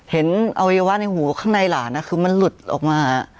เห็นอวัยวะในหัวข้างในหลานน่ะคือมันหลุดออกมา